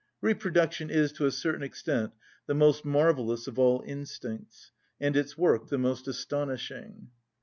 Reproduction is, to a certain extent, the most marvellous of all instincts, and its work the most astonishing.